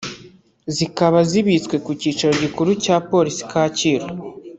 zikaba zibitswe ku Kicaro gikuru cya Police Kacyiru